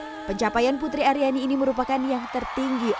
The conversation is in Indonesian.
menangnya dengan kekecewaan mereka dan juga menangnya dengan kekecewaan mereka